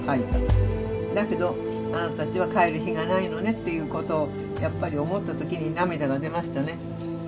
だけどあなたたちは帰る日がないのねっていうことをやっぱり思った時に涙が出ましたね。